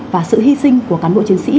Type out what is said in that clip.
và sự hy sinh của cán bộ chiến sĩ